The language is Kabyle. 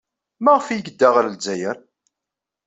Maɣef ay yedda ɣer Lezzayer?